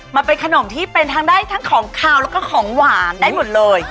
มันเป็นขนมที่เป็นทั้งได้ทั้งของขาวแล้วก็ของหวานได้หมดเลย